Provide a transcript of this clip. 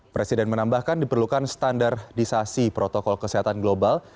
presiden menambahkan diperlukan standarisasi protokol kesehatan global